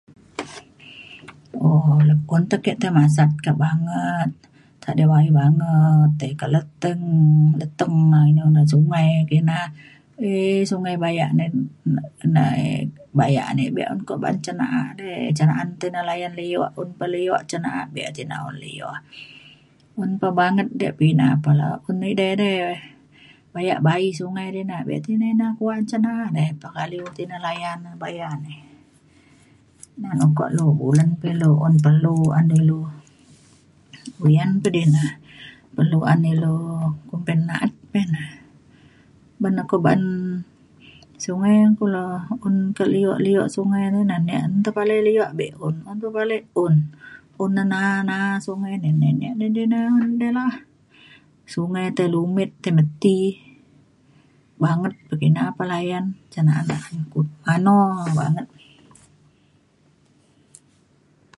um un te ke tai masat kak banget tai de bayu banget tai kak leteng leteng na inu na sungai kina e sungai bayak [unintelligible] be’un ko ba’an cen na’a di ca na’an te layan lio. un pa lio cen na’at be na cen un lio. un pa banget di pa ina pa la un edei dei bayak bayi sungai di na. be ti ne kuak cen na’a dei. pekaliu tina layan na baya ni. na na ukok lu bulen pa ilu un perlu an ilu uyan pa di na. perlu an ilu kumbin na’at pa ina. ban ukok ba’an sungai kulo un kak lio lio sungai na ne. un tepalai lio be be’un. un tepalai un un na na’a na’a sungai ne ne. di na un di lah sungai tai lumit tai meti banget pekina pa layan cen na’a lan. mano banget